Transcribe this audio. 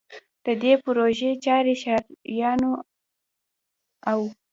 د دې پروژې چارې ښاریانو او